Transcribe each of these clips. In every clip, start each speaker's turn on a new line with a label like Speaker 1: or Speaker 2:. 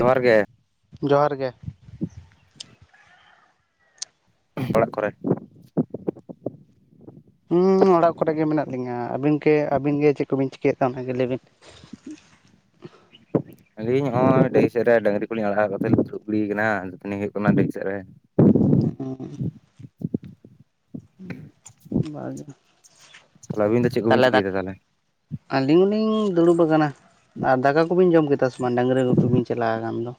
Speaker 1: ᱡᱚᱦᱟᱨ ᱜᱮ᱾
Speaker 2: ᱡᱚᱦᱟᱨ ᱜᱮ᱾
Speaker 1: ᱚᱲᱟᱜ ᱠᱚᱨᱮ
Speaker 2: ᱦᱮᱸ ᱚᱲᱟᱜ ᱠᱚᱨᱮ ᱜᱮ ᱢᱮᱱᱟᱜ ᱞᱤᱧᱟ ᱟᱹᱵᱤᱱᱜᱮ ᱟᱹᱵᱤᱱ ᱜᱮ ᱪᱮᱫ ᱠᱚᱵᱤᱱ ᱪᱤᱠᱟᱹᱭᱮᱫᱟ ᱚᱱᱟᱜᱮ ᱞᱟᱹᱭ ᱵᱤᱱ?
Speaker 1: ᱟᱹᱞᱤᱧ ᱱᱚᱜᱼᱚᱭ ᱰᱟᱦᱤᱥᱮ ᱨᱮ ᱰᱟᱝᱨᱤ ᱠᱚᱞᱤᱧ ᱟᱲᱟᱜ ᱠᱟ ᱠᱟᱛᱮᱫᱤ [unintelligible] ᱠᱟᱱᱟ ᱫᱟᱹᱛᱟᱹᱱᱤ ᱦᱩᱭᱩᱜ ᱠᱟᱱᱟ ᱰᱮᱢ ᱥᱮᱫ ᱨᱮ᱾
Speaker 2: ᱦᱮᱸ [inaudible]
Speaker 1: ᱛᱟᱦᱞᱮ ᱟᱵᱤᱱ ᱫᱚ ᱪᱮᱫ ᱠᱚᱵᱤᱱ ᱪᱤᱠᱟᱹᱭᱮᱫᱟ ᱛᱟᱦᱚᱞᱮ?
Speaker 2: ᱟᱹᱞᱤᱧ ᱦᱚᱸᱞᱤᱧ ᱫᱩᱲᱩᱵ ᱟᱠᱟᱱᱟ᱾ ᱟᱨ ᱫᱟᱠᱟ ᱠᱚᱵᱤᱱ ᱡᱚᱢ ᱠᱮᱫᱟ ᱥᱮ ᱵᱟᱝ ᱰᱟᱝᱨᱤ ᱜᱩᱯᱤ ᱵᱤᱱ ᱪᱟᱞᱟᱣ ᱟᱠᱟᱱ ᱫᱚ?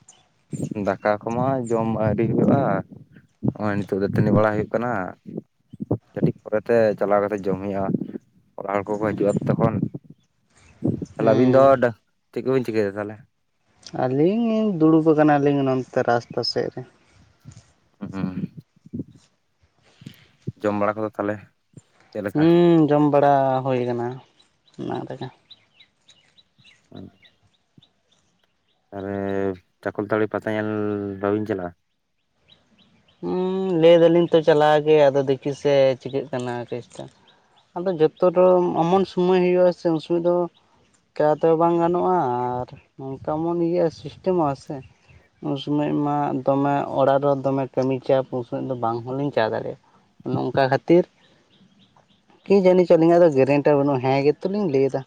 Speaker 1: ᱫᱟᱠᱟ ᱠᱚᱢᱟ ᱡᱚᱢ ᱟᱹᱣᱨᱤ ᱦᱩᱭᱩᱜᱼᱟ᱾ ᱱᱚᱜᱼᱚᱭ ᱱᱤᱛᱚᱜ ᱫᱟᱹᱛᱟᱹᱱᱤ ᱵᱟᱲᱟᱭ ᱦᱩᱭᱩᱜ ᱠᱟᱱᱟ᱾ ᱠᱟᱹᱴᱤᱡ ᱯᱚᱨᱮᱛᱮ ᱪᱟᱞᱟᱣ ᱠᱟᱛᱮ ᱡᱚᱢ ᱦᱩᱭᱩᱜᱼᱟ᱾ ᱚᱲᱟ ᱦᱚᱲ ᱠᱚᱠᱚ ᱦᱤᱡᱩᱜᱼᱟ ᱛᱚᱠᱷᱚᱱ ᱛᱟᱦᱮ ᱟᱹᱵᱤᱱ ᱫᱚ
Speaker 2: ᱦᱩᱸ
Speaker 1: ᱪᱮᱫ ᱠᱚᱵᱤᱱ ᱪᱤᱠᱟᱹᱭ ᱫᱟ ᱛᱟᱦᱚᱞᱮ?
Speaker 2: ᱟᱹᱞᱤᱧ ᱞᱤᱧ ᱫᱩᱲᱩᱵ ᱟᱠᱟᱱᱟᱞᱤᱧ ᱱᱚᱱᱛᱮ ᱨᱟᱥᱛᱟ ᱥᱮᱫ ᱨᱮ᱾
Speaker 1: [inaudible] ᱡᱚᱢ ᱵᱟᱲᱟ ᱠᱚᱫᱚ ᱛᱟᱦᱚᱞᱮ ᱪᱮᱫ ᱞᱮᱠᱟ?
Speaker 2: ᱦᱩᱸ ᱡᱚᱢ ᱵᱟᱲᱟ ᱦᱩᱭ ᱠᱟᱱᱟ ᱚᱱᱟᱝ ᱨᱮᱜᱮ᱾
Speaker 1: [unintelligible] ᱛᱟᱨᱮ ᱪᱟᱠᱚᱞᱛᱟᱹᱲᱤ ᱯᱟᱛᱟ ᱧᱮᱞ ᱵᱟᱹᱵᱤᱝ ᱪᱟᱞᱟᱜᱼᱟ?
Speaker 2: ᱦᱩᱸ ᱞᱟᱹᱭ ᱫᱟᱞᱤᱧ ᱛᱚ ᱪᱟᱞᱟᱣ ᱜᱮ ᱟᱫᱚ ᱫᱮᱠᱤ ᱥᱮ ᱪᱤᱠᱟᱹᱜ ᱠᱟᱱᱟ ᱠᱮᱥᱴᱟ᱾ ᱟᱫᱚ ᱡᱚᱛ ᱫᱚ ᱮᱢᱚᱱ ᱥᱚᱢᱚᱭ ᱦᱩᱭᱩᱜᱼᱟ ᱥᱮ ᱩᱱ ᱥᱚᱢᱚᱭ ᱫᱚ ᱪᱮᱠᱟᱛᱮ ᱵᱟᱝ ᱜᱟᱱᱚᱜᱼᱟ ᱟᱨ ᱱᱚᱝᱠᱟᱢᱚᱱ ᱤᱭᱟᱹᱟᱹᱜ ᱥᱤᱥᱴᱮᱢᱚᱜᱼᱟ ᱥᱮ ᱩᱱ ᱥᱚᱢᱚᱭ ᱢᱟ ᱫᱚᱢᱮ ᱚᱲᱟᱜ ᱨᱮ ᱫᱚᱢᱮ ᱠᱟᱹᱢᱤ ᱪᱟᱯ ᱩᱱ ᱥᱚᱢᱚᱭ ᱫᱚ ᱵᱟᱝ ᱦᱚᱸᱞᱤᱧ ᱪᱟ ᱫᱟᱲᱮᱭᱟᱜᱼᱟ, ᱚᱱᱮ ᱚᱱᱠᱟ ᱠᱷᱟᱹᱛᱤᱨ᱾ ᱠᱤ ᱡᱟᱹᱱᱤ ᱪᱚᱞᱤᱧᱟᱜ ᱫᱚ ᱜᱮᱨᱮᱱᱴᱤ ᱵᱟᱹᱱᱩᱜᱼᱟ ᱦᱮᱸ ᱜᱮᱛᱚᱞᱤᱧ ᱞᱟᱹᱭᱮᱫᱟ᱾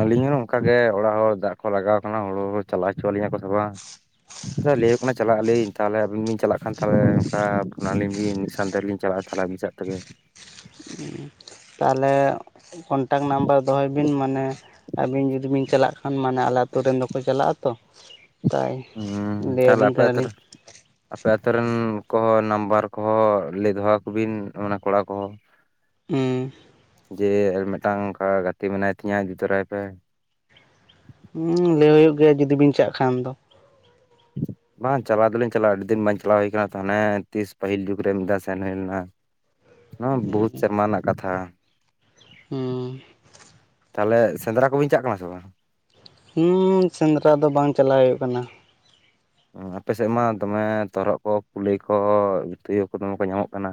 Speaker 1: ᱟᱹᱞᱤᱧ ᱦᱚᱸ ᱱᱚᱝᱠᱟᱜ ᱜᱮ ᱚᱲᱟ ᱦᱚᱲ ᱫᱟᱜ ᱠᱚ ᱞᱟᱜᱟᱣ ᱠᱟᱱᱟ ᱦᱩᱲᱩ ᱪᱟᱞᱟᱣ ᱪᱚ ᱟᱹᱞᱤᱧᱟ ᱠᱚ ᱥᱮ ᱵᱟᱝ? ᱟᱪᱪᱷᱟ ᱞᱟᱹᱭ ᱦᱩᱭᱩᱜ ᱠᱟᱱᱟ ᱪᱟᱞᱟᱜ ᱟᱹᱞᱤᱧ ᱛᱟᱦᱚᱞᱮ ᱟᱵᱤᱱ ᱵᱤᱱ ᱪᱟᱞᱟᱜ ᱠᱷᱟᱱ ᱛᱟᱞᱦᱮ ᱚᱱᱠᱟ ᱯᱷᱳᱱ ᱟᱞᱤᱧ ᱵᱤᱱ ᱢᱤᱫ ᱥᱟᱶᱛᱮᱞᱤᱧ ᱪᱟᱞᱟᱜᱼᱟ᱾ ᱛᱟᱞᱦᱮ ᱟᱵᱤᱱ ᱥᱮᱫ ᱛᱮᱜᱮ ᱾
Speaker 2: ᱛᱟᱦᱚᱞᱮ ᱠᱚᱱᱴᱟᱠᱴ ᱱᱟᱢᱵᱟᱨ ᱫᱚᱦᱚᱭ ᱵᱤᱱ ᱢᱟᱱᱮ ᱟᱹᱵᱤᱱ ᱡᱩᱫᱤ ᱵᱤᱱ ᱪᱟᱞᱟᱜ ᱢᱟᱱᱮ ᱟᱞᱮ ᱟᱛᱳ ᱨᱮᱱ ᱫᱚᱠᱚ ᱪᱟᱞᱟᱜᱼᱟ ᱛᱚ ᱛᱟᱭ
Speaker 1: ᱦᱩᱸ ᱛᱟᱦᱚᱞᱮ
Speaker 2: ᱞᱟᱹᱭᱟᱵᱤᱱ
Speaker 1: ᱟᱯᱮ ᱟᱹᱛᱩ
Speaker 2: ᱠᱟᱱᱟᱞᱤᱧ᱾
Speaker 1: ᱨᱮ ᱟᱯᱮ ᱟᱛᱳ ᱨᱮᱱ ᱠᱚᱦᱚᱸ ᱱᱟᱢᱵᱟᱨ ᱠᱚᱦᱚᱸ ᱞᱟᱹᱭ ᱫᱚᱦᱚᱣᱟ ᱠᱚᱵᱤᱱ ᱚᱱᱟ ᱠᱚᱲᱟ ᱠᱚᱦᱚᱸ᱾
Speaker 2: ᱦᱩᱸ᱾
Speaker 1: ᱡᱮ ᱢᱤᱫᱴᱟᱝ ᱚᱱᱠᱟ ᱜᱟᱛᱮ ᱢᱮᱱᱟᱭ ᱛᱤᱧᱟᱹ ᱤᱫᱤ ᱛᱚᱨᱟᱭ ᱯᱮ᱾
Speaker 2: ᱦᱩᱸ ᱞᱟᱹᱭ ᱦᱩᱭᱩᱜ ᱜᱮᱭᱟ ᱡᱩᱫᱤ ᱵᱤᱱ ᱪᱟᱜ ᱠᱷᱟᱱ ᱫᱚ᱾
Speaker 1: ᱵᱟᱝ ᱪᱟᱞᱟᱣ ᱫᱚᱞᱤᱧ ᱪᱟᱞᱟᱜᱼᱟ ᱟᱹᱰᱤ ᱫᱤᱱ ᱵᱟᱝᱤᱧ ᱪᱟᱞᱟᱣ ᱦᱩᱭ ᱠᱟᱱᱟ ᱛᱚᱦᱚᱱᱮ ᱛᱤᱥ ᱯᱟᱹᱦᱤᱞ ᱡᱩᱜᱽ ᱨᱮ ᱢᱤᱫ ᱫᱷᱟᱣ ᱥᱮᱱ ᱦᱩᱭ ᱞᱮᱱᱟ᱾ ᱱᱚᱣᱟ ᱵᱚᱦᱩᱛ ᱥᱮᱨᱢᱟ ᱨᱮᱱᱟᱜ ᱠᱟᱛᱷᱟ᱾
Speaker 2: ᱦᱩᱸ᱾
Speaker 1: ᱛᱟᱦᱚᱞᱮ ᱥᱮᱸᱫᱽᱨᱟ ᱠᱚᱵᱤᱱ ᱪᱟᱜ ᱠᱟᱱᱟ ᱥᱮ ᱵᱟᱝ?
Speaker 2: ᱦᱩᱸᱻ ᱥᱮᱸᱫᱽᱨᱟ ᱫᱚ ᱵᱟᱝ ᱪᱟᱞᱟᱣ ᱦᱩᱭᱩᱜ ᱠᱟᱱᱟ᱾
Speaker 1: ᱟᱯᱮ ᱥᱮᱫ ᱢᱟ ᱫᱚᱢᱮ ᱛᱚᱨᱚᱜ ᱠᱚ ᱠᱩᱞᱟᱹᱭ ᱠᱚ ᱛᱩᱭᱩ ᱠᱚ ᱫᱚᱢᱮ ᱠᱚ ᱧᱟᱢᱚᱜ ᱠᱟᱱᱟ?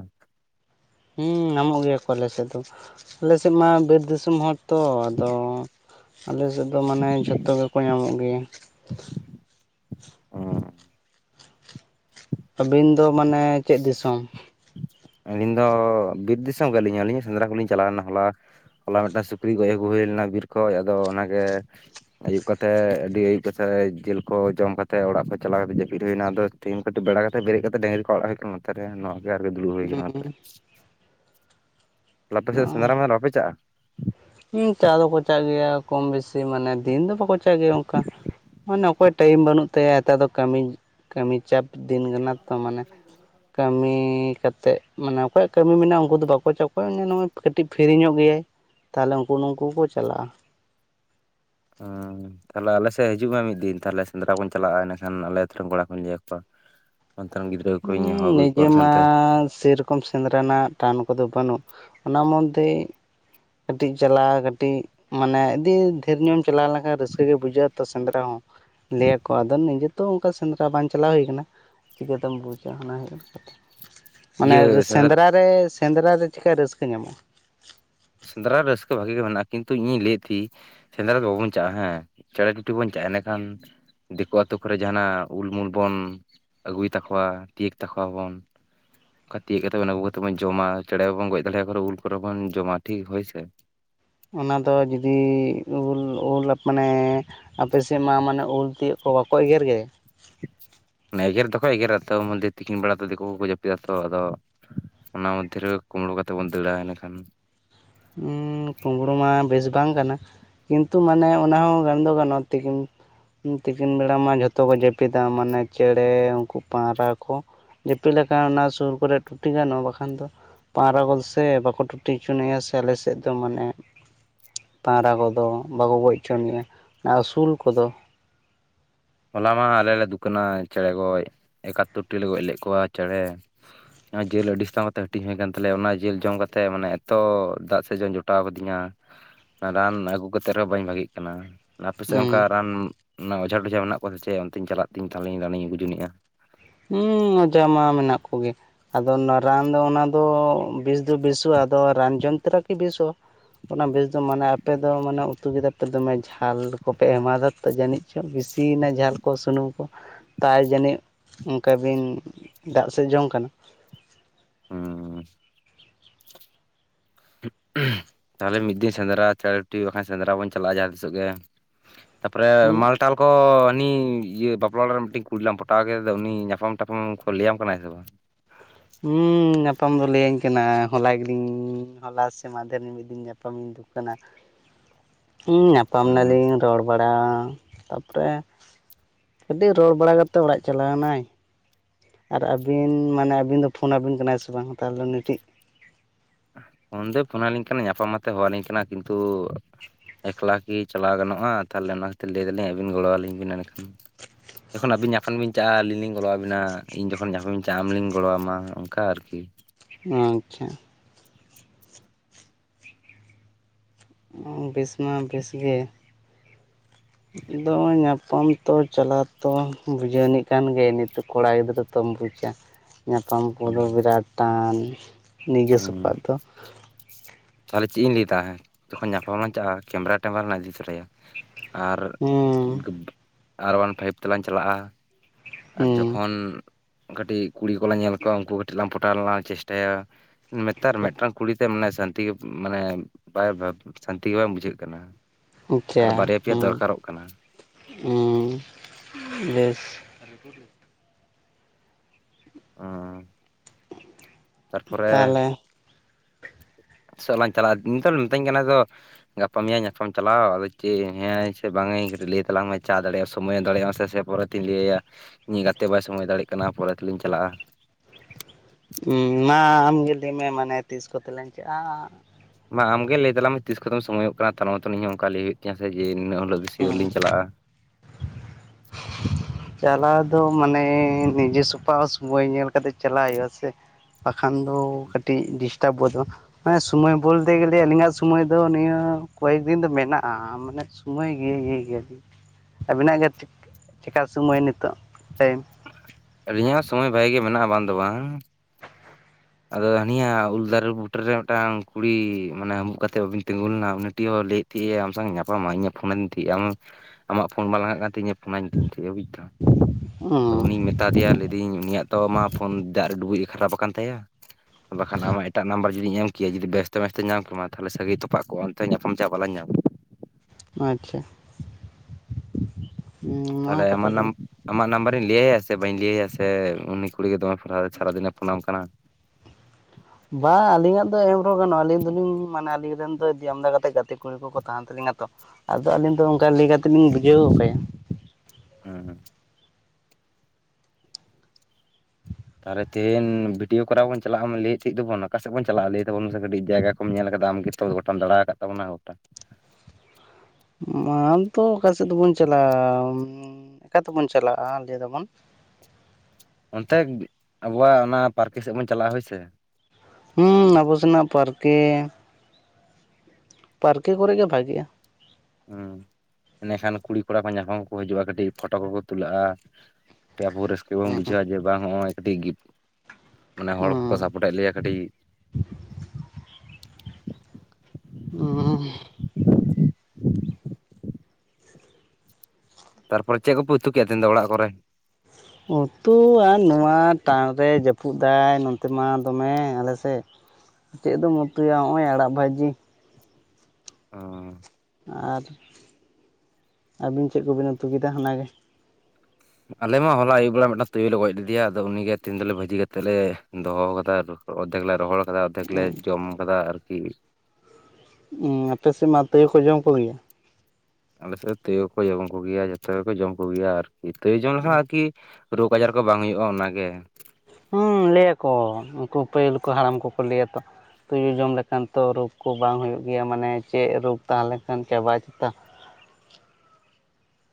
Speaker 2: ᱦᱮᱸ ᱧᱟᱢᱚᱜ ᱜᱮᱭᱟ ᱠᱚ ᱟᱞᱮ ᱥᱮᱫ ᱫᱚ ᱟᱞᱮ ᱥᱮᱫ ᱢᱟ ᱵᱤᱨ ᱫᱤᱥᱚᱢ ᱦᱚᱲ ᱛᱚ ᱟᱫᱚ ᱟᱞᱮᱥᱮᱫ ᱫᱚ ᱢᱟᱱᱮ ᱡᱷᱚᱛᱚ ᱜᱮᱠᱚ ᱧᱟᱢᱚᱜ ᱜᱮᱭᱟ᱾
Speaker 1: ᱦᱩᱸ
Speaker 2: ᱟᱹᱵᱤᱱ ᱫᱚ ᱢᱟᱱᱮ ᱪᱮᱫ ᱫᱤᱥᱚᱢ?
Speaker 1: ᱟᱹᱞᱤᱧ ᱫᱚ ᱵᱤᱨ ᱫᱤᱥᱚᱢ ᱜᱮ ᱟᱹᱞᱤᱧ ᱦᱚᱸ ᱟᱹᱞᱤᱧ ᱦᱚᱸ ᱥᱮᱸᱫᱽᱨᱟ ᱠᱚᱞᱤᱧ ᱪᱟᱞᱟᱣ ᱞᱮᱱᱟ ᱦᱚᱞᱟ ᱦᱚᱞᱟ ᱢᱤᱜᱴᱟᱝ ᱥᱩᱠᱨᱤ ᱜᱚᱡ ᱟᱹᱜᱩ ᱦᱩᱭ ᱞᱮᱱᱟ ᱵᱤᱨ ᱠᱷᱚᱡ ᱟᱫᱚ ᱚᱱᱟᱜᱮ ᱟᱹᱭᱩᱵ ᱠᱟᱛᱮᱜ ᱟᱹᱰᱤ ᱟᱹᱭᱩᱵ ᱠᱟᱛᱮᱜ ᱡᱤᱞ ᱠᱚ ᱡᱚᱢ ᱠᱟᱛᱮᱫ ᱚᱲᱟᱜ ᱠᱚ ᱪᱟᱞᱟᱣ ᱠᱟᱛᱮ ᱡᱟᱹᱯᱤᱫ ᱦᱩᱭᱮᱱᱟ ᱟᱫᱚ ᱛᱮᱦᱮᱱ ᱠᱟᱹᱴᱤᱡ ᱵᱮᱲᱟ ᱠᱟᱛᱮ ᱵᱮᱨᱮᱫ ᱠᱟᱛᱮ ᱰᱟᱝᱨᱤ ᱠᱚ ᱚᱲᱟᱜ ᱦᱩᱭᱩᱜ ᱠᱟᱱᱟ ᱱᱚᱛᱮ ᱨᱮ ᱱᱚᱣᱟ ᱵᱮᱲᱟ ᱨᱮᱜᱮ ᱫᱩᱲᱩᱵ ᱦᱩᱭ ᱠᱟᱱᱟ ᱱᱚᱛᱮ ᱨᱮ
Speaker 2: [unintelligible]
Speaker 1: ᱟᱯᱮ ᱥᱮᱫ ᱥᱮᱸᱫᱽᱨᱟ ᱢᱮᱞ ᱵᱟᱯᱮ ᱪᱟᱜᱼᱟ᱾
Speaker 2: ᱦᱩᱸ ᱪᱟ ᱫᱚᱠᱚ ᱪᱟᱜ ᱜᱮᱭᱟ ᱠᱚᱢ ᱵᱮᱥᱤ ᱢᱟᱱᱮ ᱫᱤᱱ ᱫᱚ ᱵᱟᱠᱚ ᱪᱟᱜ ᱜᱮᱭᱟ ᱚᱝᱠᱟ᱾ ᱢᱟᱱᱮ ᱚᱠᱚᱭ ᱴᱟᱭᱤᱢ ᱵᱟᱹᱱᱩᱜ ᱛᱟᱭᱟ, ᱱᱮᱛᱟᱨ ᱫᱚ ᱠᱟᱹᱢᱤ ᱠᱟᱹᱢᱤ ᱪᱟᱯ᱾ ᱫᱤᱱ ᱠᱟᱱᱟ ᱛᱚ ᱢᱟᱱᱮ ᱠᱟᱹᱢᱤ ᱠᱟᱛᱮᱜ ᱢᱟᱱᱮ ᱚᱠᱚᱭᱟᱜ ᱠᱟᱹᱢᱤ ᱢᱮᱱᱟᱜᱼᱟ ᱩᱝᱠᱩ ᱫᱚ ᱵᱟᱠᱚ ᱪᱟ ᱠᱚᱣᱟ ᱱᱚᱜᱼᱚᱭ ᱠᱟᱹᱴᱤᱡ ᱯᱷᱤᱨᱤ ᱧᱚᱜ ᱜᱮᱭᱟᱭ ᱛᱟᱦᱞᱮ ᱩᱝᱠᱩ ᱱᱩᱝᱠᱩ ᱠᱚ ᱪᱟᱞᱟᱜᱼᱟ᱾
Speaker 1: ᱦᱚᱸᱻ ᱛᱟᱦᱞᱮ ᱟᱞᱮ ᱥᱮᱜ ᱦᱤᱡᱩᱜ ᱢᱮ ᱢᱤᱫ ᱫᱤᱱ ᱛᱟᱦᱞᱮ ᱥᱮᱸᱫᱽᱨᱟ ᱠᱚᱱ ᱪᱟᱞᱟᱜᱼᱟ ᱮᱸᱱᱟᱹᱠᱷᱟᱱ ᱟᱞᱮ ᱟᱹᱛᱩ ᱨᱮᱱ ᱠᱚᱲᱟ ᱠᱚᱧ ᱞᱟᱹᱭ ᱟᱠᱚᱣᱟ᱾ ᱚᱱᱛᱮᱱ ᱜᱤᱫᱽᱨᱟᱹ ᱠᱚᱧ ᱦᱚᱦᱚ
Speaker 2: ᱩᱸ
Speaker 1: ᱟᱹᱜᱩᱭᱮᱫ ᱠᱚᱣᱟ
Speaker 2: ᱱᱤᱡᱮ
Speaker 1: ᱢᱤᱫ
Speaker 2: ᱢᱟ
Speaker 1: ᱥᱟᱶᱛᱮ
Speaker 2: ᱥᱮ ᱠᱚᱢ ᱥᱮᱸᱫᱽᱨᱟ ᱱᱟᱜ ᱴᱟᱱ ᱠᱚᱫᱚ ᱵᱟᱹᱱᱩᱜ, ᱚᱱᱟ ᱢᱚᱫᱽᱫᱷᱮ ᱠᱟᱹᱴᱤᱡ ᱪᱟᱞᱟᱜᱼᱟ ᱠᱟᱹᱴᱤᱡ ᱢᱟᱱᱮ ᱫᱤ ᱰᱷᱮᱨ ᱧᱚᱜ ᱮᱢ ᱪᱟᱞᱟᱣ ᱞᱮᱱ ᱠᱷᱟᱱ ᱨᱟᱹᱥᱠᱟᱹ ᱜᱮ ᱵᱩᱡᱷᱟᱹᱜᱼᱟ ᱛᱚ ᱥᱮᱸᱫᱽᱨᱟ ᱦᱚᱸ᱾ ᱞᱟᱹᱭᱟ ᱠᱚ ᱟᱫᱚ ᱱᱤᱡᱮ ᱛᱚ ᱚᱝᱠᱟ ᱥᱮᱸᱫᱽᱨᱟ ᱵᱟᱝ ᱪᱟᱞᱟᱣ ᱦᱩᱭ ᱟᱠᱟᱱᱟ ᱪᱤᱠᱟᱹᱛᱮᱢ ᱵᱩᱡᱟ ᱚᱱᱟ ᱦᱩᱭᱩᱜᱼᱟ᱾ ᱢᱟᱱᱮ ᱥᱮᱸᱫᱽᱨᱟ ᱨᱮ ᱥᱮᱸᱫᱽᱨᱟ ᱨᱮ ᱪᱤᱠᱟᱹ ᱨᱟᱹᱥᱠᱟᱹ ᱧᱟᱢᱚᱜᱼᱟ?
Speaker 1: ᱥᱮᱸᱫᱽᱨᱟ ᱨᱮ ᱨᱟᱹᱥᱠᱟᱹ ᱵᱷᱟᱜᱮ ᱜᱮ ᱢᱮᱱᱟᱜᱼᱟ ᱠᱤᱱᱛᱩ ᱤᱧᱤᱧ ᱞᱟᱹᱭᱮᱫ ᱛᱷᱤ ᱥᱮᱸᱫᱽᱨᱟ ᱫᱚ ᱵᱟᱵᱚᱱ ᱪᱟᱜᱼᱟ ᱦᱮᱸ, ᱪᱮᱬᱮ ᱴᱩᱴᱤ ᱵᱚᱱ ᱪᱟᱜᱼᱟ ᱮᱱᱮ ᱠᱷᱟᱱ ᱫᱤᱠᱩ ᱟᱹᱛᱩ ᱠᱚᱨᱮ ᱡᱟᱦᱟᱱᱟᱜ ᱩᱞ ᱢᱩᱞ ᱵᱚᱱ ᱟᱹᱜᱩᱭ ᱛᱟᱠᱚᱣᱟ ᱛᱤᱭᱟᱹᱜ ᱛᱟᱠᱚᱣᱟ ᱵᱚᱱ᱾ ᱠᱟ ᱛᱤᱭᱟᱹᱜ ᱠᱟᱛᱮ ᱵᱚᱱ ᱟᱹᱜᱩ ᱠᱟᱛᱮ ᱵᱚᱱ ᱡᱚᱢᱟ, ᱪᱮᱬᱮ ᱵᱟᱵᱚᱱ ᱜᱚᱡ ᱫᱟᱲᱮ ᱭᱟᱠᱚ ᱨᱮᱦᱚᱸ ᱩᱞ ᱠᱚᱨᱮ ᱵᱚᱱ ᱡᱚᱢᱟ ᱴᱷᱤᱠ ᱦᱳᱭ ᱥᱮ᱾
Speaker 2: ᱚᱱᱟ ᱫᱚ ᱡᱩᱫᱤ ᱩᱞ ᱩᱞ ᱢᱟᱱᱮ ᱟᱯᱮ ᱥᱮᱜ ᱢᱟ ᱢᱟᱱᱮ ᱩᱞ ᱛᱤᱭᱳᱜ ᱠᱚ ᱵᱟᱠᱚ ᱮᱜᱮᱨ ᱜᱮ
Speaker 1: ᱢᱟᱱᱮ ᱮᱜᱮᱨ ᱫᱚᱠᱚ ᱮᱜᱮᱨᱟ ᱛᱟᱹᱣ ᱢᱚᱫᱽᱫᱷᱮ ᱛᱤᱠᱤᱱ ᱵᱮᱲᱟ ᱫᱚ ᱫᱤᱠᱩ ᱠᱚᱠᱚ ᱡᱟᱹᱯᱤᱫᱟ ᱛᱚ ᱟᱫᱚ ᱚᱱᱟ ᱢᱚᱫᱽᱫᱷᱮ ᱨᱮ ᱠᱩᱢᱲᱳ ᱠᱟᱛᱮ ᱵᱚᱱ ᱫᱟᱹᱲᱟ ᱤᱱᱟᱹᱠᱷᱟᱱ᱾
Speaker 2: ᱩᱸ ᱠᱩᱵᱽᱲᱩ ᱢᱟ ᱵᱮᱥ ᱵᱟᱝ ᱠᱟᱱᱟ ᱠᱤᱱᱛᱩ ᱢᱟᱱᱮ ᱚᱱᱟ ᱦᱚᱸ ᱜᱟᱱ ᱫᱚ ᱜᱟᱱᱚᱜᱼᱟ ᱛᱮᱦᱤᱱ ᱛᱤᱠᱤᱱ ᱵᱮᱲᱟ ᱢᱟ ᱡᱷᱚᱛᱚ ᱠᱚ ᱡᱟᱹᱯᱤᱫᱟ ᱢᱟᱱᱮ ᱪᱮᱬᱮ ᱩᱱᱠᱩ ᱯᱟᱸᱣᱨᱟ ᱠᱚ ᱡᱟᱹᱯᱤᱫ ᱞᱮᱠᱟᱱ ᱚᱱᱟ ᱥᱩᱨ ᱠᱚᱨᱮ ᱴᱩᱴᱤ ᱜᱟᱱᱚᱜᱼᱟ ᱵᱟᱠᱷᱟᱱ ᱫᱚ ᱯᱟᱣᱨᱟ ᱠᱚᱫᱚ ᱥᱮ ᱵᱟᱠᱚ ᱴᱩᱴᱤ ᱦᱚᱪᱚ ᱱᱩᱭᱟ ᱥᱮ ᱟᱞᱮ ᱥᱮᱫ ᱫᱚ ᱢᱟᱱᱮ ᱯᱟᱶᱨᱟ ᱠᱚᱫᱚ ᱵᱟᱠᱚ ᱜᱚᱡ ᱦᱚᱪᱚ ᱱᱩᱭᱟ ᱟᱹᱥᱩᱞ ᱠᱚᱫᱚ
Speaker 1: ᱦᱚᱞᱟ ᱢᱟ ᱟᱞᱮ ᱞᱮ ᱫᱩᱠᱟᱹᱱᱟ ᱪᱮᱬᱮ ᱜᱚᱡ ᱮᱠᱟᱛᱛᱩᱨ ᱴᱤ ᱞᱮ ᱜᱚᱡ ᱞᱮᱫ ᱠᱚᱣᱟ ᱪᱮᱬᱮ᱾ ᱚᱱᱟ ᱡᱤᱞ ᱟᱹᱰᱤ ᱟᱥᱛᱟᱢ ᱠᱟᱛᱮ ᱦᱟᱹᱴᱤᱧ ᱦᱩᱭ ᱠᱟᱱ ᱛᱟᱞᱮᱭᱟ ᱚᱱᱟ ᱡᱤᱞ ᱡᱚᱢ ᱠᱟᱛᱮᱜ ᱢᱟᱱᱮ ᱮᱛᱚ ᱫᱟᱜ ᱥᱮᱡ ᱡᱚᱝ ᱡᱚᱴ ᱴᱟᱣ ᱠᱟᱫᱤᱧᱟ ᱨᱟᱱ ᱟᱹᱜᱩ ᱠᱟᱛᱮᱜ ᱨᱮᱦᱚᱸ ᱵᱟᱹᱧ ᱵᱷᱟᱜᱤᱜ ᱠᱟᱱᱟ᱾ ᱟᱯᱮ ᱥᱮᱫ
Speaker 2: ᱦᱩᱸ᱾
Speaker 1: ᱚᱝᱠᱟ ᱨᱟᱱ, ᱨᱮᱱᱟᱜ ᱚᱡᱷᱟ ᱴᱚᱡᱷᱟ ᱢᱮᱱᱟᱜ ᱠᱚᱣᱟ ᱥᱮ ᱪᱮᱜ ᱚᱱᱛᱤᱧ ᱪᱟᱞᱟᱜ ᱛᱤᱧ ᱛᱟᱦᱚᱞᱮ ᱨᱟᱱᱤᱧ ᱟᱹᱜᱩ ᱡᱩᱱᱤᱜᱼᱟ᱾
Speaker 2: ᱦᱩᱸᱢ ᱚᱡᱷᱟ ᱢᱟ ᱢᱮᱱᱟᱜ ᱠᱚᱜᱮ ᱟᱫᱚ ᱚᱱᱟ ᱨᱟᱱ ᱫᱚ ᱚᱱᱟ ᱫᱚ ᱵᱮᱥ ᱫᱚ ᱵᱮᱥᱚᱜᱼᱟ ᱟᱫᱚ ᱨᱟᱱ ᱡᱚᱢ ᱛᱚᱨᱟ ᱠᱤ ᱵᱮᱥᱚᱜᱼᱟ᱾ ᱚᱱᱟ ᱵᱮᱥ ᱫᱚ ᱢᱟᱱᱮ ᱟᱯᱮ ᱫᱚ ᱢᱟᱱᱮ ᱩᱛᱩ ᱠᱮᱫᱟ ᱯᱮ ᱫᱚᱢᱮ ᱡᱷᱟᱞ ᱠᱚᱯᱮ ᱮᱢᱟᱫᱟ ᱛᱚ ᱡᱟᱹᱱᱤᱡ ᱪᱚᱜ ᱵᱤᱥᱤ ᱭᱮᱱᱟ ᱡᱷᱟᱞ ᱠᱚ ᱥᱩᱱᱩᱢ ᱠᱚ ᱛᱟᱭ ᱡᱟᱹᱱᱤᱡ ᱚᱱᱠᱟ ᱵᱤᱱ ᱫᱟᱜ ᱥᱮᱫ ᱡᱚᱝ ᱠᱟᱱᱟ᱾
Speaker 1: ᱦᱚᱸᱢ ᱛᱟᱦᱚᱞᱮ ᱢᱤᱫ ᱫᱤᱱ ᱥᱮᱸᱫᱽᱨᱟ ᱪᱮᱬᱮ ᱴᱩᱴᱤ ᱵᱟᱠᱷᱟᱱ ᱥᱮᱸᱫᱽᱨᱟ ᱵᱚᱱ ᱪᱟᱞᱟᱜᱼᱟ ᱡᱟᱦᱟᱸ ᱛᱤᱥᱚᱜ ᱜᱮ ᱛᱟᱯᱚᱨᱮ
Speaker 2: ᱦᱩᱸ
Speaker 1: ᱢᱟᱞᱴ ᱛᱟᱞ ᱠᱚ ᱦᱟᱱᱤ ᱤᱭᱟᱹ ᱵᱟᱯᱞᱟ ᱚᱲᱟᱜ ᱨᱮ ᱢᱤᱫ ᱴᱮᱱ ᱠᱩᱲᱤ ᱞᱟᱝ ᱯᱚᱴᱟᱣ ᱠᱮᱫᱮ ᱫᱚ, ᱩᱱᱤ ᱧᱟᱯᱟᱢ ᱴᱟᱯᱟᱢ ᱠᱚ ᱞᱟᱹᱭᱟᱢ ᱠᱟᱱᱟᱭ ᱥᱮ ᱵᱟᱝ?
Speaker 2: ᱦᱮᱸ ᱧᱟᱯᱟᱢ ᱫᱚ ᱞᱟᱹᱭᱟᱹᱧ ᱠᱟᱱᱟ ᱦᱚᱞᱟ ᱜᱮᱞᱤᱧ ᱦᱚᱞᱟ ᱥᱮ ᱢᱟᱫᱷᱮᱨ ᱢᱤᱫ ᱫᱤᱱ ᱧᱟᱯᱟᱢᱤᱧ ᱫᱩᱠᱟᱱᱟ ᱦᱩᱸ ᱧᱟᱯᱟᱢ ᱱᱟ
Speaker 1: ᱚ
Speaker 2: ᱞᱤᱧ ᱨᱚᱲ ᱵᱟᱲᱟ ᱛᱟᱯᱚᱨᱮ ᱠᱟᱹᱴᱤᱡ ᱨᱚᱲ ᱵᱟᱲᱟ ᱠᱟᱛᱮ ᱚᱲᱟᱜ ᱪᱟᱞᱟᱣ ᱱᱟᱭ᱾ ᱟᱨ ᱟᱹᱵᱤᱱ ᱢᱟᱱᱮ ᱟᱹᱵᱤᱱ ᱫᱚ ᱯᱷᱳᱱᱟᱵᱤᱱ ᱠᱟᱱᱟᱭ ᱥᱮ ᱵᱟᱝ ᱛᱟᱦᱚᱞᱮ ᱱᱩᱭ ᱴᱤᱡ
Speaker 1: ᱯᱷᱳᱱ ᱫᱚᱭ ᱯᱷᱳᱱᱟᱹᱞᱤᱧ ᱠᱟᱱᱟ ᱧᱟᱯᱟᱢ ᱢᱟᱛᱚ ᱦᱚᱦᱚ ᱟᱹᱞᱤᱧ ᱠᱟᱱᱟ ᱠᱤᱱᱛᱩ ᱮᱠᱞᱟ ᱠᱤ ᱪᱟᱞᱟᱣ ᱜᱟᱱᱚᱜᱼᱟ ᱛᱟᱦᱚᱞᱮ ᱚᱱᱟ ᱠᱷᱟᱹᱛᱤᱨ ᱞᱟᱹᱭ ᱫᱟᱞᱤᱧ ᱟᱹᱵᱤᱱ ᱜᱚᱲᱚ ᱟᱹᱞᱤᱧ ᱵᱤᱱ ᱮᱸᱰᱮᱠᱷᱟᱱ ᱡᱚᱠᱷᱚᱱ ᱟᱹᱵᱤᱱ ᱧᱟᱯᱟᱢ ᱵᱤᱱ ᱪᱟᱞᱟᱜᱼᱟ ᱟᱹᱞᱤᱧ ᱞᱤᱧ ᱜᱚᱲᱚ ᱟᱵᱱᱟ ᱤᱧ ᱡᱚᱠᱷᱚᱱ ᱧᱟᱯᱟᱢ ᱤᱧ ᱪᱟᱞᱟᱜᱼᱟ ᱟᱢ ᱞᱤᱧ ᱜᱚᱲᱚ ᱟᱢᱟ ᱚᱱᱠᱟ ᱟᱨᱠᱤ᱾
Speaker 2: ᱦᱮᱸ ᱟᱪᱪᱷᱟ ᱵᱮᱥ ᱢᱟ ᱵᱮᱥ ᱜᱮᱭᱟ᱾ ᱫᱚ ᱧᱟᱯᱟᱢ ᱛᱚ ᱪᱟᱞᱟᱣ ᱛᱚ ᱵᱩᱡᱷᱟᱹᱣᱱᱤᱡ ᱠᱟᱱ ᱜᱮ ᱱᱤᱛᱚᱜ ᱠᱚᱲᱟ ᱜᱤᱫᱽᱨᱟᱹ ᱛᱚᱢ ᱵᱩᱡᱟ
Speaker 1: [unintelligible]
Speaker 2: ᱧᱟᱯᱟᱢ
Speaker 1: ᱦᱩᱸ
Speaker 2: ᱠᱚᱫᱚ ᱵᱤᱨᱟᱴ ᱴᱟᱱ
Speaker 1: ᱦᱩᱸ
Speaker 2: ᱱᱤᱡᱮᱥᱚᱯᱟᱜ ᱫᱚ
Speaker 1: ᱛᱟᱦᱚᱞᱮ ᱪᱮᱫ ᱤᱧ ᱞᱟᱹᱭᱫᱟ ᱡᱚᱠᱷᱚᱱ ᱧᱟᱯᱟᱢ ᱞᱟᱝ ᱪᱟᱜᱼᱟ ᱠᱮᱢᱨᱟ ᱴᱮᱢᱨᱟ ᱞᱟᱝ ᱤᱫᱤ ᱛᱚᱨᱟᱭᱟ᱾ ᱟᱨ
Speaker 2: ᱦᱩᱸ
Speaker 1: ᱟᱨ ᱚᱣᱟᱱ ᱯᱷᱟᱭᱤᱵᱽ ᱛᱮᱞᱟᱝ ᱪᱟᱞᱟᱜᱼᱟ᱾ ᱟᱨ
Speaker 2: ᱦᱩᱸ
Speaker 1: ᱡᱚᱠᱷᱚᱱ ᱠᱟᱹᱴᱤᱡ ᱠᱩᱲᱤ ᱠᱚᱞᱟᱝ ᱧᱮᱞ ᱠᱚᱣᱟ ᱩᱱᱠᱩ ᱠᱟᱹᱴᱤᱡ ᱞᱟᱝ ᱯᱚᱴᱟᱣ ᱨᱮᱱᱟᱜ ᱞᱟᱝ ᱪᱮᱥᱴᱟᱭᱟ᱾ ᱱᱮᱛᱟᱨ ᱢᱤᱫᱴᱟᱝ ᱠᱩᱲᱤ ᱛᱮ ᱢᱟᱱᱮ ᱥᱟᱱᱛᱤ ᱢᱟᱱᱮ ᱵᱟᱭ ᱥᱟᱱᱛᱤ ᱜᱮ ᱵᱟᱝ ᱵᱩᱡᱷᱟᱹᱜ ᱠᱟᱱᱟ᱾ ᱟᱨ ᱵᱟᱨᱭᱟ ᱯᱮᱭᱟ ᱫᱚᱨᱠᱟᱨᱚᱜ ᱠᱟᱱᱟ᱾
Speaker 2: ᱩᱸᱦ ᱵᱮᱥ [inaudible]
Speaker 1: ᱚ ᱛᱟᱨᱯᱚᱨᱮ᱾
Speaker 2: ᱛᱟᱦᱚᱞᱮ
Speaker 1: ᱥᱮ ᱞᱟᱝ ᱪᱟᱞᱟᱜᱼᱟ ᱤᱧ ᱫᱚ ᱢᱤᱛᱟᱹᱧ ᱠᱟᱱᱟᱭ ᱠᱚ ᱜᱟᱯᱟ ᱢᱮᱭᱟᱝ ᱧᱟᱯᱟᱢ ᱪᱟᱞᱟᱣ ᱟᱫᱚ ᱪᱮᱫ ᱦᱮᱸ ᱥᱮ ᱵᱟᱝᱟᱹᱧ ᱠᱟᱹᱴᱤᱡ ᱞᱟᱹᱭ ᱛᱟᱞᱟᱝ ᱢᱮ ᱪᱟ ᱫᱟᱲᱮ-ᱟᱢ ᱥᱚᱢᱚᱭᱮ ᱫᱟᱲᱮᱭᱟᱜ-ᱟᱢ ᱥᱮ ᱯᱚᱨᱮ ᱛᱤᱧ ᱞᱟᱹᱭᱟ ᱭᱟ ᱤᱧ ᱜᱟᱛᱮ ᱵᱟᱭ ᱥᱚᱢᱳᱚᱭ ᱫᱟᱲᱮᱭᱟᱜ ᱠᱟᱱᱟ ᱯᱚᱨᱮ ᱛᱮᱞᱤᱧ ᱪᱟᱞᱟᱜ-ᱟ᱾
Speaker 2: ᱦᱚᱸ ᱢᱟ ᱟᱢ ᱜᱮ ᱞᱟᱹᱭ ᱢᱮ ᱢᱟᱱᱮ ᱛᱤᱥ ᱠᱚᱛᱮ ᱞᱟᱝ ᱪᱟᱜᱼᱟ?
Speaker 1: ᱢᱟ ᱟᱢ ᱜᱮ ᱞᱟᱹᱭ ᱛᱟᱞᱟᱝ ᱢᱮ ᱛᱤᱥ ᱠᱚᱛᱮᱢ ᱥᱚᱢᱳᱭᱚᱜ ᱠᱟᱱᱟ ᱛᱟᱨ ᱢᱚᱛᱚᱱ ᱤᱧ ᱦᱚᱸ ᱚᱱᱠᱟ ᱞᱟᱹᱭ ᱦᱩᱭᱩᱜ ᱛᱤᱧᱟᱹ ᱥᱮ ᱡᱮ ᱱᱤᱱᱟᱹ ᱦᱤᱞᱳ ᱫᱚ ᱥᱤᱭᱳᱨ
Speaker 2: ᱦᱩᱸ
Speaker 1: ᱞᱤᱧ ᱪᱟᱞᱟᱜᱼᱟ᱾
Speaker 2: ᱪᱟᱞᱟᱣ ᱫᱚ ᱢᱟᱱᱮ ᱱᱤᱡᱮ ᱥᱚᱯᱟᱜ ᱦᱚᱸ ᱥᱚᱢᱚᱭ ᱧᱮᱞ ᱠᱟᱛᱮ ᱪᱟᱞᱟᱜ ᱦᱩᱭᱩᱜᱼᱟ ᱥᱮ? ᱵᱟᱠᱷᱟᱱ ᱫᱚ ᱠᱟᱹᱴᱤᱡ ᱰᱤᱥᱴᱟᱯ ᱜᱚᱫᱚᱜ-ᱟ᱾ ᱦᱮᱸ ᱥᱚᱢᱚᱭ ᱵᱚᱞᱛᱮ ᱜᱮᱞᱮ ᱟᱹᱞᱤᱧᱟᱜ ᱥᱚᱢᱚᱭ ᱫᱚ ᱠᱚᱭᱮᱠ ᱫᱤᱱ ᱫᱚ ᱢᱮᱱᱟᱜᱼᱟ ᱢᱟᱱᱮ ᱥᱚᱢᱚᱭ ᱜᱮ ᱤᱭᱟᱹ ᱜᱮᱭᱟ ᱞᱤᱧ ᱟᱵᱤᱱᱟᱜ ᱜᱮ ᱪᱮᱠᱟ ᱥᱚᱢᱚᱭ ᱱᱤᱛᱚᱜ ᱴᱟᱭᱤᱢ?
Speaker 1: ᱟᱹᱞᱤᱧᱟᱜ ᱦᱚᱸ ᱥᱚᱢᱚᱭ ᱵᱷᱟᱜᱮ ᱜᱮ ᱢᱮᱱᱟᱜᱼᱟ ᱵᱟᱝ ᱫᱚ ᱵᱟᱝ᱾ ᱟᱫᱚ ᱦᱟᱱᱤᱭᱟ ᱩᱞ ᱫᱟᱨᱮ ᱵᱩᱴᱟᱹᱨ ᱨᱮ ᱢᱤᱫᱴᱟᱝ ᱠᱩᱲᱤ ᱢᱟᱱᱮ ᱦᱟᱸᱵᱩᱜ ᱠᱟᱛᱮᱫ ᱵᱟ ᱵᱤᱱ ᱛᱤᱸᱜᱩ ᱞᱮᱱᱟ ᱩᱱᱤᱴᱤᱜ ᱦᱚᱸ ᱞᱟᱹᱭᱮᱫ ᱟᱢ ᱥᱟᱶ ᱮ ᱧᱟᱯᱟᱢᱚᱜ-ᱟ ᱤᱧᱟᱹ ᱯᱷᱳᱱᱟ ᱫᱤᱧ ᱛᱟᱦᱮᱜ ᱟᱢ ᱟᱢᱟᱜ ᱯᱷᱳᱱ ᱵᱟᱝ ᱞᱟᱜᱟᱜ ᱠᱟᱱ ᱛᱤ ᱤᱧᱟᱹᱜ ᱯᱷᱳᱱᱟ ᱫᱤᱧ ᱛᱟᱦᱮᱜ-ᱟ ᱵᱩᱡ ᱫᱟᱢ᱾ ᱛᱚ ᱩᱱᱤᱧ
Speaker 2: ᱦᱩᱸ
Speaker 1: ᱢᱮᱛᱟ ᱫᱮᱭᱟ ᱞᱟᱹᱭ ᱫᱟᱹᱧ ᱩᱱᱤᱭᱟᱜ ᱛᱚ ᱢᱟ ᱯᱷᱳᱱ ᱫᱟᱜ ᱨᱮ ᱰᱩᱵᱩᱡ ᱠᱷᱟᱨᱟᱯ ᱟᱠᱟᱱ ᱛᱟᱭᱟ᱾ ᱵᱟᱠᱷᱟᱱ ᱟᱢᱟᱜ ᱮᱴᱟᱜ ᱱᱟᱢᱵᱟᱨᱤᱧ ᱡᱩᱫᱤᱧ ᱮᱢ ᱠᱮᱭᱟ ᱡᱩᱫᱤ ᱵᱮᱥᱛᱚ ᱢᱮᱥᱛᱚ ᱧᱟᱢ ᱡᱮᱢᱟ ᱛᱟᱦᱞᱮ ᱥᱟᱹᱜᱟᱹᱭ ᱛᱚᱯᱟᱜ ᱠᱚᱜᱼᱟ ᱚᱱᱛᱮ ᱧᱟᱯᱟᱢ ᱪᱟᱜ ᱵᱟᱞᱟᱝ ᱧᱟᱢ ᱠᱮᱭᱟ᱾
Speaker 2: ᱟᱪᱪᱷᱟ᱾ ᱚᱱᱟ
Speaker 1: ᱛᱟᱦᱚᱞᱮ
Speaker 2: ᱦᱚᱸ ᱠᱟᱛᱷᱟ
Speaker 1: ᱟᱢᱟᱨ ᱱᱟᱢ
Speaker 2: ᱠᱟᱱᱟ
Speaker 1: ᱟᱢᱟᱜ ᱱᱟᱢᱵᱟᱨᱤᱧ ᱞᱟᱹᱭ ᱟᱭᱟ ᱥᱮ ᱵᱟᱹᱧ ᱞᱟᱹᱭ ᱟᱭᱟ ᱥᱮ ᱩᱱᱤ ᱠᱩᱲᱤ ᱜᱮ ᱫᱚᱢᱮ ᱯᱷᱳᱱᱟ ᱥᱟᱨᱟᱫᱤᱱᱮ ᱯᱷᱳᱱᱟᱢ ᱠᱟᱱᱟ᱾
Speaker 2: ᱵᱟᱝ ᱟᱹᱞᱤᱧᱟᱜ ᱫᱚ ᱮᱢ ᱨᱮᱦᱚᱸ ᱜᱟᱱᱚᱜ-ᱟ ᱟᱹᱞᱤᱧ ᱫᱚᱞᱤᱧ ᱢᱟᱱᱮ ᱟᱞᱤᱧ ᱨᱮᱱ ᱫᱚ ᱡᱮ ᱟᱢᱫᱟ ᱠᱟᱛᱮᱜ ᱜᱟᱛᱮ ᱠᱚ ᱠᱚᱠᱚ ᱛᱟᱦᱮᱱ ᱛᱟᱞᱤᱧᱟ ᱛᱚ ᱟᱫᱚ ᱟᱹᱞᱤᱧ ᱫᱚ ᱚᱱᱠᱟ ᱞᱟᱹᱭ ᱠᱟᱛᱮᱫ ᱞᱤᱧ ᱵᱩᱡᱷᱟᱹᱣ ᱜᱚᱫ ᱠᱟᱭᱟ᱾
Speaker 1: ᱦᱩᱸ᱾ ᱛᱟᱞᱦᱮ ᱛᱮᱦᱮᱱ ᱵᱷᱤᱰᱭᱳ ᱠᱚᱨᱟᱣ ᱵᱚᱱ ᱪᱟᱞᱟᱜ ᱟᱢ ᱞᱟᱹᱭ ᱮᱫ ᱛᱟᱦᱮᱫ ᱫᱚᱵᱚᱱ ᱟᱠᱟ ᱥᱮᱫ ᱵᱚᱱ ᱪᱟᱞᱟᱜᱼᱟ ᱞᱟᱹᱭ ᱛᱟᱵᱚᱱ ᱢᱮᱥᱮ ᱠᱟᱹᱴᱤᱡ ᱡᱟᱭᱜᱟ ᱠᱚᱢ ᱧᱮᱞ ᱠᱟᱫᱟ ᱟᱢ ᱜᱮ᱾ ᱛᱚ ᱜᱚᱴᱟᱢ ᱫᱟᱲᱟᱣ ᱟᱠᱟᱫ ᱛᱟᱵᱚᱱᱟ ᱜᱚᱴᱟ᱾
Speaker 2: ᱟᱫᱚ ᱚᱠᱟ ᱥᱮᱫ ᱫᱚᱵᱚᱱ ᱪᱟᱞᱟᱜᱼᱟ ᱚᱠᱟ ᱛᱮᱵᱚᱱ ᱪᱟᱞᱟᱜᱼᱟ ᱞᱟᱹᱭ ᱫᱟᱵᱚᱱ?
Speaker 1: ᱚᱱᱛᱮ ᱟᱵᱚᱣᱟᱜ ᱚᱱᱟ ᱯᱟᱨᱠᱮ ᱥᱮᱫ ᱵᱚᱱ ᱪᱟᱞᱟᱜᱼᱟ ᱦᱳᱭ ᱥᱮ᱾
Speaker 2: ᱦᱩᱸ ᱟᱵᱚ ᱥᱮᱱᱟᱜ ᱯᱟᱨᱠᱮ ᱯᱟᱨᱠᱮ ᱠᱚᱨᱮ ᱜᱮ ᱵᱷᱟᱜᱮᱜᱼᱟ᱾
Speaker 1: ᱦᱮᱸ ᱮᱸᱰᱮᱠᱷᱟᱱ ᱠᱩᱲᱤ ᱠᱚᱲᱟ ᱠᱚ ᱧᱟᱯᱟᱢ ᱠᱚᱠᱚ ᱦᱤᱡᱩᱜᱼᱟ ᱠᱟᱹᱴᱤᱡ ᱯᱷᱳᱴᱳ ᱠᱚᱠᱚ ᱛᱩᱞᱟᱹᱜᱼᱟ᱾ ᱟᱵᱚ ᱨᱟᱹᱥᱠᱟᱹᱵᱚᱱ ᱵᱩᱡᱷᱟᱹᱣᱟ ᱡᱮ ᱵᱟᱝ ᱱᱚᱜᱼᱭ ᱠᱟᱹᱴᱤᱡ ᱢᱟᱱᱮ ᱦᱚᱲ ᱠᱚᱠᱚ ᱥᱟᱯᱚᱴᱮᱫ ᱞᱮᱭᱟ ᱠᱟᱹᱴᱤᱡ᱾
Speaker 2: ᱦᱩ᱾
Speaker 1: ᱛᱟᱨᱯᱚᱨᱮ ᱪᱮᱫ ᱠᱚᱯᱮ ᱩᱛᱩ ᱠᱮᱫᱮᱜᱼᱟ ᱛᱮᱦᱮᱧ ᱫᱚ ᱚᱲᱟᱜ ᱠᱚᱨᱮ?
Speaker 2: ᱩᱛᱩ ᱟᱨ ᱱᱚᱣᱟ ᱴᱟᱱ ᱨᱮ ᱡᱟᱹᱯᱩᱫ ᱫᱟᱭ ᱱᱚᱱᱚᱛᱮ ᱢᱟ ᱫᱚᱢᱮ ᱟᱞᱮ ᱥᱮᱫ᱾ ᱪᱮᱫ ᱫᱚᱢ ᱩᱛᱩᱭᱟ ᱱᱚᱜᱼᱚᱭ ᱟᱲᱟᱜ ᱵᱷᱟᱹᱡᱤ᱾
Speaker 1: ᱚᱻ
Speaker 2: ᱟᱨ ᱟᱹᱵᱤᱱ ᱪᱮᱫ ᱠᱚᱵᱤᱱ ᱩᱛᱩ ᱠᱮᱫᱟ ᱚᱱᱟᱜᱮ?
Speaker 1: ᱟᱞᱮ ᱢᱟ ᱦᱚᱞᱟ ᱟᱹᱭᱩᱵ ᱵᱮᱲᱟ ᱢᱤᱫᱴᱟᱝ ᱛᱩᱭᱩ ᱞᱮ ᱜᱚᱡ ᱞᱮᱫᱮᱭᱟ ᱟᱫᱚ ᱩᱱᱤᱜᱮ ᱛᱤᱱ ᱫᱚᱞᱮ ᱵᱷᱟᱹᱡᱤ ᱠᱟᱛᱮᱫ ᱞᱮ ᱫᱚᱦᱚ ᱟᱠᱟᱫᱟ ᱟᱫ ᱚᱫᱷᱮᱠ ᱞᱮ ᱨᱚᱦᱚᱲ ᱟᱠᱟᱫᱟ ᱚᱫᱷᱮᱠ ᱞᱮ ᱡᱚᱢ ᱠᱟᱫᱟ ᱟᱨᱠᱤ᱾
Speaker 2: ᱩᱢ ᱟᱯᱮ ᱥᱮᱫ ᱢᱟ ᱛᱩᱭᱩ ᱠᱚ ᱡᱚᱢ ᱠᱚᱜᱮᱭᱟ?
Speaker 1: ᱟᱞᱮ ᱥᱮᱫ ᱛᱩᱭᱩ ᱠᱚ ᱡᱚᱢ ᱠᱚᱜᱮᱭᱟ᱾ ᱡᱚᱛᱚ ᱜᱮᱠᱚ ᱡᱚᱢ ᱠᱚᱜᱮᱭᱟ ᱟᱨᱠᱤ, ᱛᱟᱹᱭᱩ ᱡᱚᱢ ᱞᱮᱠᱷᱟᱱ ᱟᱨᱠᱤ ᱨᱳᱜᱽ ᱟᱡᱟᱨ ᱠᱚ ᱵᱟᱝ ᱦᱩᱭᱩᱜᱼᱟ ᱚᱱᱟ ᱜᱮ᱾
Speaker 2: ᱦᱩᱸ ᱞᱟᱹᱭ ᱟᱠᱚ ᱩᱱᱠᱩ ᱯᱟᱹᱦᱤᱞ ᱠᱚ ᱦᱟᱲᱟᱢ ᱠᱚᱠᱚ ᱞᱟᱹᱭᱟ ᱛᱚ᱾ ᱛᱩᱭᱩ ᱡᱚᱢ ᱞᱮᱠᱷᱟᱱ ᱛᱚ ᱨᱳᱜᱽ ᱠᱚ ᱵᱟᱝ ᱦᱩᱭᱩᱜ ᱜᱮᱭᱟ ᱢᱟᱱᱮ ᱪᱮᱫ ᱨᱳᱜᱽ ᱛᱟᱦᱮᱸ ᱞᱮᱱᱠᱷᱟᱱ ᱪᱟᱵᱟ ᱪᱮᱛᱟ᱾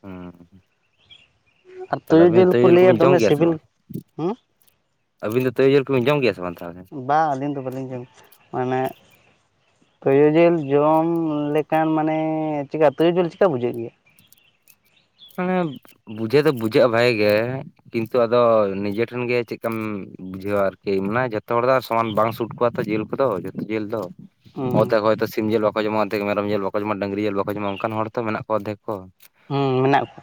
Speaker 1: ᱦᱩᱸ᱾
Speaker 2: ᱟᱨ
Speaker 1: ᱛᱟᱦᱚᱞᱮ ᱟᱹᱵᱤᱱ ᱫᱚ
Speaker 2: ᱠᱚ
Speaker 1: ᱛᱩᱭᱩ ᱡᱤᱞ
Speaker 2: ᱞᱟᱹᱭᱟ
Speaker 1: ᱠᱚᱵᱤᱱ ᱡᱚᱢ
Speaker 2: ᱫᱚᱢᱮ
Speaker 1: ᱜᱮᱭᱟ ᱥᱮ
Speaker 2: ᱥᱤᱵᱤᱞ
Speaker 1: ᱵᱟᱝ?
Speaker 2: ᱦᱮᱸ
Speaker 1: ᱟᱹᱵᱤᱱ ᱫᱚ ᱛᱳᱭᱳ ᱡᱤᱞ ᱠᱚᱵᱤᱱ ᱡᱚᱢ ᱜᱮᱭᱟ ᱥᱮ ᱵᱟᱝ ᱛᱟᱦᱚᱞᱮ?
Speaker 2: ᱵᱟ ᱟᱹᱞᱤᱧ ᱫᱚ ᱵᱟᱹᱞᱤᱧ ᱡᱚᱢ ᱢᱟᱱᱮ ᱛᱩᱭᱩ ᱡᱤᱞ ᱡᱚᱢ ᱞᱮᱠᱷᱟᱱ ᱢᱟᱱᱮ ᱪᱮᱠᱟ ᱛᱩᱭᱩᱡᱤᱞ ᱪᱮᱠᱟ ᱵᱩᱡᱷᱟᱹᱜ ᱜᱮᱭᱟ?
Speaker 1: ᱢᱟᱱᱮ ᱵᱩᱡᱷᱟᱹᱣ ᱫᱚ ᱵᱩᱡᱷᱟᱹᱣᱼᱟ, ᱵᱷᱟᱜᱮ ᱜᱮ ᱠᱤᱱᱛᱩ ᱟᱫᱚ ᱱᱤᱡᱮᱴᱷᱮᱱ ᱜᱮ ᱪᱮᱫᱠᱟᱢ ᱵᱩᱡᱷᱟᱹᱣᱟ ᱟᱨᱠᱤ ᱢᱟᱱᱮ ᱡᱚᱛᱚ ᱦᱚᱲ ᱫᱚ ᱥᱚᱢᱟᱱ ᱵᱟᱝ ᱥᱩᱴ ᱠᱚᱣᱟ ᱛᱚ ᱡᱮᱞ ᱠᱚᱫᱚ ᱡᱚᱛᱚ ᱡᱮᱞ ᱫᱚ᱾
Speaker 2: ᱦᱮᱸ
Speaker 1: ᱚᱫᱷᱮᱠ ᱦᱚᱭᱛᱚ ᱥᱤᱢ ᱡᱮᱞ ᱵᱟᱠᱚ ᱡᱚᱢᱟ ᱟᱫᱷᱠ ᱢᱮᱨᱚᱢ ᱡᱮᱞ ᱵᱟᱠ ᱡᱚᱢᱟ ᱰᱩᱝᱨᱤ ᱡᱮᱞ ᱵᱟᱠᱚ ᱡᱚᱢᱟ ᱚᱱᱟᱱ ᱦᱚᱲᱛᱚ ᱢᱮᱱᱟᱜ ᱠᱚ ᱟᱫᱷᱮᱠ ᱠᱚ᱾
Speaker 2: ᱦᱩᱸ ᱢᱮᱱᱟᱜ ᱠᱚᱣᱟ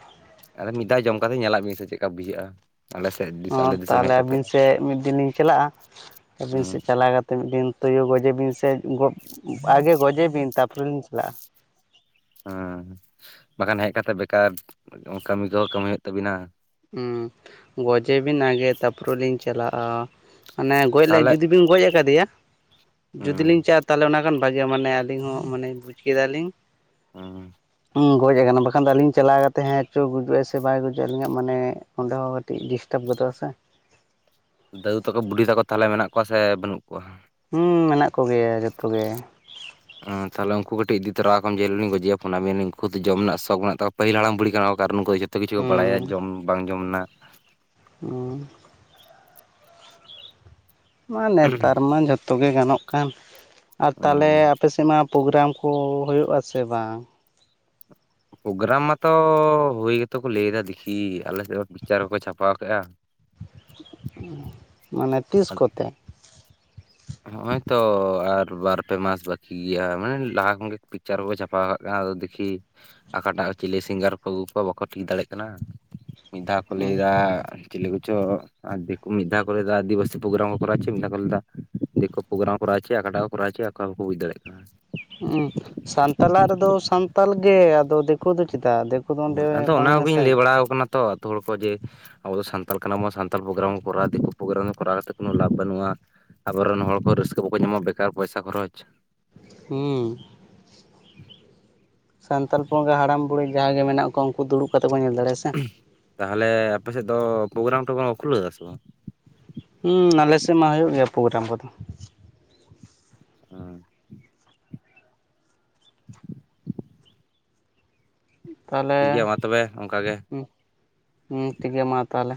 Speaker 1: ᱟᱫᱚ ᱢᱤᱫ ᱫᱷᱟᱣ ᱡᱚᱢ ᱠᱟᱛᱮ ᱧᱮᱞᱟᱫ ᱵᱤᱱ ᱥᱮ ᱪᱮᱫ ᱞᱮᱠᱟ ᱵᱩᱡᱷᱟᱹᱜᱼᱟ᱾ ᱟᱞᱮ ᱥᱮ
Speaker 2: ᱚ ᱛᱟᱦᱚᱞᱮ ᱟᱹᱵᱤᱱ ᱥᱮᱫ ᱢᱤᱫ ᱫᱤᱱ ᱞᱤᱧ ᱪᱟᱞᱟᱜᱼᱟ ᱟᱹᱵᱤᱱ
Speaker 1: ᱦᱩᱸ
Speaker 2: ᱥᱮᱫ ᱪᱟᱞᱟᱣ ᱠᱟᱛᱮ ᱛᱚ ᱢᱤᱫ ᱫᱤᱱ ᱛᱳᱭᱩ ᱜᱚᱡᱮ ᱵᱤᱱ ᱥᱮ, ᱟᱜᱮ ᱜᱚᱡᱮ ᱵᱤᱱ ᱛᱟᱯᱚᱨᱮᱞᱤᱧ ᱪᱟᱞᱟᱜᱼᱟ᱾
Speaker 1: ᱦᱮ, ᱵᱟᱠᱷᱟᱱ ᱦᱮᱡ ᱠᱟᱛᱮ ᱵᱮᱠᱟᱨ ᱠᱟᱹᱢᱤ ᱠᱚᱦᱚᱸ ᱠᱟᱢᱟᱹᱭ ᱛᱟᱵᱤᱱᱟ᱾
Speaker 2: ᱦᱩᱸ ᱜᱚᱡᱮ ᱵᱤᱱ ᱟᱜᱮ ᱛᱟᱯᱚᱨ ᱞᱤᱧ ᱪᱟᱞᱟᱜᱼᱟ᱾ ᱢᱟᱱᱮ ᱜᱚᱡ ᱞᱮ
Speaker 1: ᱛᱟᱦᱚᱞᱮ
Speaker 2: ᱡᱩᱫᱤ ᱜᱚᱡ ᱟᱠᱟᱫᱮᱭᱟ ᱡᱩᱚᱫᱤ
Speaker 1: ᱦᱩᱸ
Speaker 2: ᱞᱤᱧ ᱪᱟᱞᱟᱜᱼᱟ᱾ ᱛᱟᱦᱚᱞᱮ ᱚᱱᱟ ᱠᱷᱟᱱ ᱵᱷᱟᱜᱮᱼᱟ ᱢᱟᱱᱮ ᱟᱞᱤᱧ ᱦᱚᱸ ᱢᱟᱱᱮ ᱵᱩᱡ ᱠᱮᱫᱟᱞᱤᱧᱼᱼ
Speaker 1: ᱦᱩᱻ
Speaker 2: ᱜᱚᱡ ᱟᱠᱟᱱᱟ ᱵᱟᱠᱷᱟᱱ ᱟᱞᱤᱧ ᱪᱟᱞᱟᱣ ᱠᱟᱛᱮ ᱦᱮᱸ ᱪᱚ ᱜᱩᱡᱩᱜᱼᱟ ᱥᱮ ᱵᱟᱭ ᱜᱩᱡᱩᱼᱟ ᱟᱞᱤᱧᱟᱜ ᱢᱟᱱᱮ ᱚᱸᱰᱮ ᱦᱚᱸ ᱠᱟᱹᱴᱤᱡ ᱰᱤᱥᱴᱟᱯ ᱜᱚᱫᱚᱜ ᱟ ᱥᱮ᱾
Speaker 1: ᱫᱟᱹᱫᱩ ᱛᱟᱠᱚ ᱵᱩᱰᱷᱤ ᱛᱟᱠᱚ ᱛᱟᱦᱞᱮ ᱢᱮᱱᱟᱜ ᱠᱚᱣᱟ ᱥᱮ ᱵᱟᱹᱱᱩᱜ ᱠᱚᱣᱟ?
Speaker 2: ᱦᱩᱸ ᱢᱮᱱᱟᱜ ᱠᱚᱜᱮᱭᱟ ᱡᱚᱛᱚ ᱜᱮ᱾
Speaker 1: ᱛᱟᱦᱞᱮ ᱩᱱᱠᱩ ᱠᱟᱹᱴᱤᱡ ᱤᱫᱤ ᱛᱚᱨᱟᱣᱟᱢ ᱡᱮᱳᱞᱤ ᱜᱚᱡᱮᱭᱟ ᱯᱳᱱᱟᱵᱤᱱᱟᱧ ᱩᱱᱚᱠᱩ ᱦᱚᱛ ᱡᱚᱢ ᱨᱮᱱᱟᱜ ᱥᱚᱠ ᱢᱮᱱᱟ ᱯᱟᱦᱤᱞ ᱦᱟᱲᱟᱢ ᱵᱩᱲᱦᱤ ᱠᱟ ᱠᱟᱨᱚᱱ ᱩᱱᱠᱩ ᱡᱚᱛᱚ ᱠᱤᱪᱷᱩ ᱠᱚ ᱵᱟᱲᱟᱭᱟ
Speaker 2: ᱦᱩᱸ
Speaker 1: ᱡᱚᱢ ᱵᱟᱝ ᱡᱚᱢᱱᱟ᱾
Speaker 2: ᱦᱩᱸ᱾ ᱢᱟ ᱱᱮᱛᱟᱨ ᱢᱟ ᱡᱚᱛᱚᱜ ᱜᱮ ᱜᱟᱱᱚᱜ ᱠᱟᱱ, ᱟᱨ ᱛᱟᱦᱚᱞᱮ
Speaker 1: ᱩᱸ
Speaker 2: ᱟᱯᱮᱥᱮᱫ ᱢᱟ ᱯᱳᱜᱨᱟᱢ ᱠᱚ ᱦᱩᱭᱩᱜᱼᱟ᱾ ᱥᱮ ᱵᱟᱝ?
Speaker 1: ᱯᱳᱜᱨᱟᱢ ᱢᱟᱛᱚ ᱦᱩᱭ ᱜᱮᱛᱚ ᱠᱚ ᱞᱟᱹᱭ ᱫᱟ, ᱫᱮᱠᱷᱤ ᱟᱞᱮ ᱥᱮᱫ ᱫᱚ ᱯᱤᱠᱪᱟᱨ ᱠᱚᱠᱚ ᱪᱷᱟᱯᱟᱣ ᱠᱮᱫᱼᱟ᱾
Speaker 2: ᱢᱟᱱᱮ ᱛᱤᱥ ᱠᱚᱛᱮ?
Speaker 1: ᱦᱚᱜᱼᱚᱭ ᱛᱚ ᱟᱨ ᱵᱟᱨ ᱯᱮ ᱢᱟᱥ ᱵᱟᱠᱤ ᱜᱮᱭᱟ ᱢᱟᱱᱮ ᱞᱟᱦᱟ ᱠᱷᱚᱱᱜᱮ ᱯᱤᱠᱪᱟᱨ ᱠᱚ ᱪᱷᱟᱯᱟ ᱠᱟᱜ ᱫᱮᱠᱷᱤ ᱟᱠᱟ ᱴᱟᱜ ᱪᱤᱞᱤ ᱥᱤᱝᱜᱟᱨ ᱠᱚ ᱟᱹᱜᱩ ᱠᱚᱣᱟ ᱵᱟᱠᱚ ᱴᱷᱤᱠ ᱫᱟᱲᱮᱭᱟᱜ ᱠᱟᱱᱟ᱾ ᱢᱤᱫ ᱫᱷᱟᱣ ᱠᱚ
Speaker 2: ᱦᱩᱸ
Speaker 1: ᱞᱟᱹᱭᱫᱟ ᱪᱤᱞᱤ ᱠᱚᱪᱚ ᱟᱨ ᱢᱤᱫ ᱫᱷᱟᱣ ᱠᱚ ᱢᱮᱛᱟ ᱠᱚᱫᱚ ᱟᱫᱤᱵᱟᱥᱤ ᱯᱨᱳᱜᱨᱟᱢ ᱠᱚᱨᱟᱣ ᱠᱚ ᱪᱚᱭᱟ ᱢᱤᱫ ᱫᱷᱟᱣ ᱠᱚ ᱞᱟᱭᱫᱟ ᱫᱤᱠᱩ ᱯᱨᱳᱜᱨᱟᱢ ᱠᱚᱨᱟᱣ ᱪᱚᱭᱟ ᱟᱠᱟᱠᱟᱴᱟᱜ ᱠᱚᱨᱟᱣ ᱦᱚᱪᱚᱭᱮᱫ ᱚᱠᱟ ᱦᱚᱸ ᱵᱟᱠᱚ ᱵᱩᱡᱽ ᱫᱟᱲᱮᱭᱟᱜ ᱠᱟᱱᱟ᱾
Speaker 2: ᱦᱩᱸ ᱥᱟᱱᱛᱟᱞᱟᱜ ᱨᱮᱫᱚ ᱥᱟᱱᱛᱟᱲ ᱜᱮ ᱟᱫᱚ ᱫᱤᱠᱩ ᱫᱤᱠᱩ ᱫᱚ ᱪᱮᱫᱟᱜᱼᱟ ᱫᱤᱠᱩ ᱫᱚ ᱚᱸᱰᱮ
Speaker 1: ᱟᱫᱚ
Speaker 2: ᱵᱟᱝ
Speaker 1: ᱚᱱᱟ ᱠᱚᱜᱤᱧ
Speaker 2: ᱱᱟᱥᱮ
Speaker 1: ᱞᱟᱹᱭ ᱵᱟᱲᱟᱣ ᱠᱚ ᱠᱟᱱᱟ ᱛᱚ ᱟᱹᱛᱳ ᱦᱚᱲ ᱠᱚ ᱡᱮ ᱟᱵᱚ ᱫᱚ ᱥᱟᱱᱛᱟᱲ ᱠᱟᱱᱟᱵᱚᱱ ᱥᱟᱱᱛᱟᱲ ᱯᱨᱳᱜᱟᱢ ᱠᱚᱨᱟᱣᱟ, ᱫᱤᱠᱳ ᱯᱨᱳᱜᱨᱟᱢ ᱠᱚᱨᱟᱣ ᱠᱟᱛᱮ ᱠᱳᱱᱳ ᱞᱟᱵ ᱵᱟᱹᱱᱩᱜᱼᱟ᱾ ᱟᱵᱚᱨᱮᱱ ᱦᱚᱲ ᱠᱚ ᱨᱟᱹᱥᱠᱟᱹ ᱵᱟᱠᱚ ᱧᱟᱢᱟ ᱵᱮᱠᱟᱨ ᱯᱚᱭᱥᱟ ᱠᱷᱚᱨᱚᱪ᱾
Speaker 2: ᱦᱩᱸ᱾ ᱥᱟᱱᱛᱟᱲ [unintelligible] ᱦᱟᱲᱟᱢ ᱵᱩᱲᱦᱤ ᱡᱟᱦᱟᱸᱭ ᱜᱮ ᱢᱮᱱᱟᱜ ᱠᱚᱣᱟ ᱩᱱᱠᱩ ᱫᱩᱲᱩᱵ ᱠᱟᱛᱮ ᱵᱚᱱ ᱧᱮᱞ ᱫᱟᱲᱮᱭᱟᱜᱼᱟ ᱥᱮ᱾
Speaker 1: ᱛᱟᱦᱚᱞᱮ ᱟᱯᱮ ᱥᱮᱫ ᱫᱚ ᱯᱳᱜᱨᱟᱢ ᱴᱳᱜᱨᱟᱢ ᱠᱚ ᱠᱷᱩᱞᱟᱹᱣ ᱫᱟ ᱥᱮ ᱵᱟᱝ?
Speaker 2: ᱦᱩᱸ ᱟᱞᱮ ᱥᱮᱫ ᱢᱟ ᱦᱩᱭᱩᱜ ᱜᱮᱭᱟ ᱯᱳᱜᱨᱟᱢ ᱠᱚᱫᱚ᱾
Speaker 1: ᱩᱸ
Speaker 2: ᱛᱟᱦᱚᱞᱮ
Speaker 1: ᱴᱷᱤᱠ ᱜᱮᱭᱟ ᱢᱟ ᱛᱚᱵᱮ ᱚᱱᱠᱟ ᱜᱮ
Speaker 2: ᱴᱷᱤᱠ ᱜᱮᱭᱟ ᱢᱟ ᱛᱟᱦᱚᱞᱮ᱾